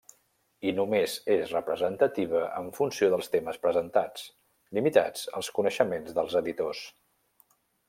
I només és representativa en funció dels temes presentats, limitats als coneixements dels editors.